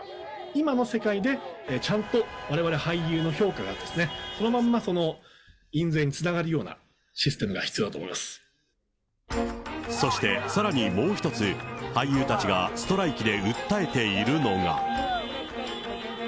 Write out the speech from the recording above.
今の世界でちゃんと、われわれ俳優の評価がそのまんま印税につながるようなシステムがそして、さらにもう一つ、俳優たちがストライキで訴えているのが。